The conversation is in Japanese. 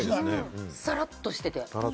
さらっとしてて。